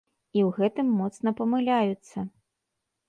І ў гэтым моцна памыляюцца.